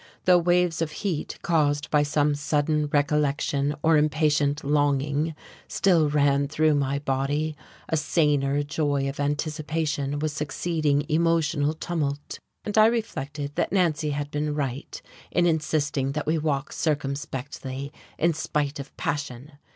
Though waves of heat caused by some sudden recollection or impatient longing still ran through my body, a saner joy of anticipation was succeeding emotional tumult, and I reflected that Nancy had been right in insisting that we walk circumspectly in spite of passion.